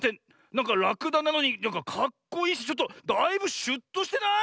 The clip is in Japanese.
なんからくだなのになんかかっこいいしちょっとだいぶシュッとしてない？